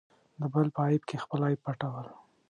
د بل په عیب کې خپل عیب پټول.